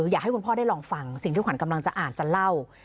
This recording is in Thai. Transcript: อยากให้คุณพ่อได้ลองฟังสิ่งที่ขวัญกำลังจะอ่านจะเล่า